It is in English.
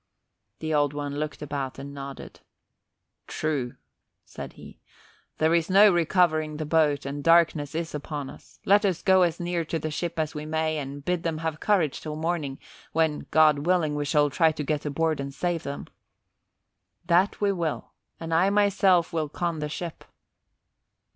The Old One looked about and nodded. "True," said he. "There is no recovering the boat and darkness is upon us. Let us go as near to the ship as we may and bid them have courage till morning, when, God willing, we shall try to get aboard and save them." "That we will. And I myself will con the ship."